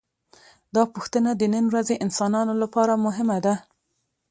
دا پوښتنه د نن ورځې انسانانو لپاره مهمه ده.